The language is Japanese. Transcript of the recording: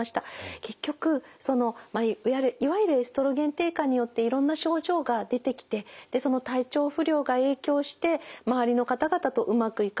結局いわゆるエストロゲン低下によっていろんな症状が出てきてその体調不良が影響して周りの方々とうまくいかない。